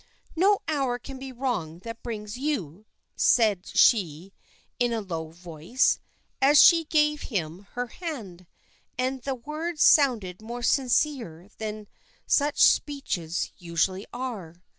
"No hour can be wrong that brings you," she said in a low voice, as she gave him her hand; and the words sounded more sincere than such speeches usually are.